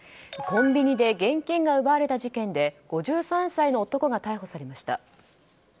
コンビニで現金が奪われた事件で５３歳の男が逮捕されました。